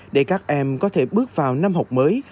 để các em có thể bước vào năm học mới